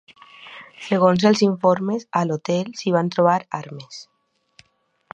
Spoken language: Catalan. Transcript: Segons els informes, a l'hotel s'hi van trobar armes.